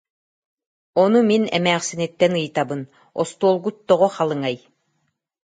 Ону мин эмээхсиниттэн ыйытабын: «Остуолгут тоҕо халыҥай